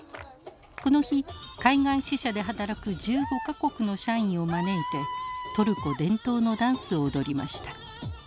この日海外支社で働く１５か国の社員を招いてトルコ伝統のダンスを踊りました。